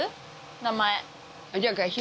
名前。